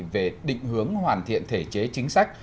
về định hướng hoàn thiện thể chế chính sách